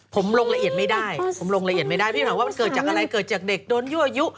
ผมลงละเอียดไม่ได้ผมลงละเอียดไม่ได้พี่หน่อยว่ามันเกิดจากอะไรเกิดจากเด็กโดนยั่วยุ